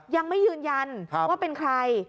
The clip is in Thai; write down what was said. ยังไม่ยืนยันว่าเป็นใคร